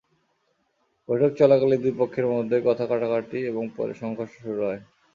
বৈঠক চলাকালে দুই পক্ষের মধ্যে কথা-কাটাকাটি এবং পরে সংঘর্ষ শুরু হয়।